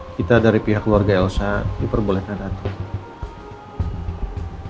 kita dari pihak keluarga elsa diperbolehkan datang